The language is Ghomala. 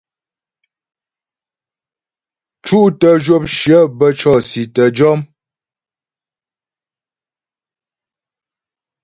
Cútə zhwəpshyə bə́ cɔ̀si tə́ jɔm.